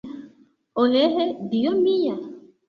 Ohh, dio mia!